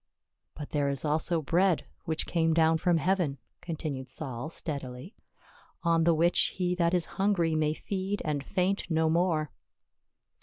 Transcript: " But there is also bread which came down from heaven," continued Saul steadily, " on the which he that is hungry may feed and faint no more."